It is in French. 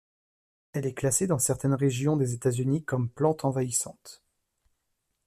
Elle est classée dans certaines régions des États-Unis comme plante envahissante.